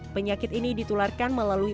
penyakit ini ditularkan melalui